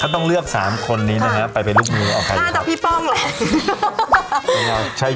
เค้าต้องเลือกสามคนนี้นะฮะไปไปลูกมือเอาไง